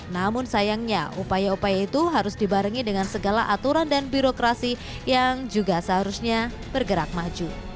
namun sayangnya upaya upaya itu harus dibarengi dengan segala aturan dan birokrasi yang juga seharusnya bergerak maju